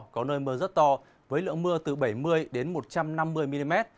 có nơi mưa rất to với lượng mưa từ bảy mươi một trăm năm mươi mm